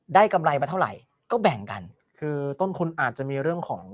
กำไรมาเท่าไหร่ก็แบ่งกันคือต้นทุนอาจจะมีเรื่องของ